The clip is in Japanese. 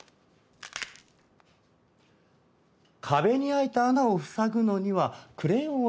壁に開いた穴を塞ぐのにはクレヨンを使うと。